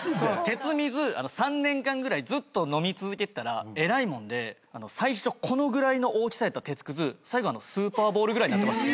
鉄水３年間ぐらいずっと飲み続けてたらえらいもんで最初このぐらいの大きさやった鉄くず最後スーパーボールぐらいになってました。